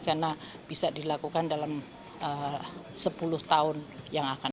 karena bisa dilakukan dalam sepuluh tahun yang akan datang